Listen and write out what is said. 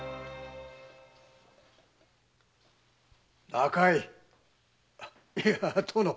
中井いや殿。